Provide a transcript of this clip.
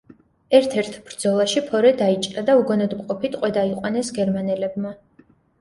ერთ–ერთ ბრძოლაში ფორე დაიჭრა და უგონოდ მყოფი ტყვედ აიყვანეს გერმანელებმა.